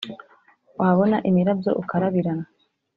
Wabona imirabyo ukarabirana